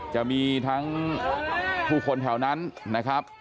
จะมีทั้งผู้คนแถวนั้นนะครับ